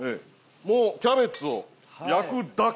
もうキャベツを焼くだけ。